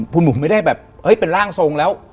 คุณบุ๋มไม่ได้แบบเอ้ยเป็นร่างทรงแล้ว